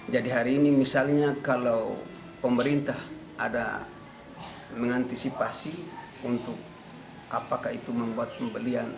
jadi hari ini misalnya kalau pemerintah ada mengantisipasi untuk apakah itu membuat pembelian